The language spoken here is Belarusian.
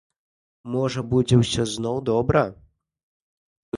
Можа, будзе ўсё зноў добра.